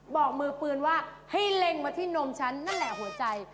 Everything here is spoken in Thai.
บอกมือปืนว่าให้เล็งมาที่นมฉันนั่นแหละหัวใจ